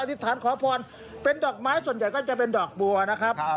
ธิษฐานขอพรเป็นดอกไม้ส่วนใหญ่ก็จะเป็นดอกบัวนะครับ